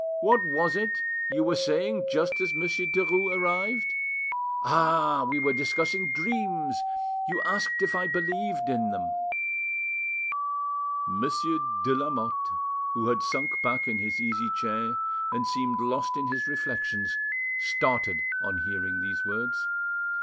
What was it you were saying just as Monsieur Derues arrived? ... Ah! we were discussing dreams, you asked if I believed in them." Monsieur, de Lamotte, who had sunk back in his easy chair and seemed lost in his reflections, started on hearing these words.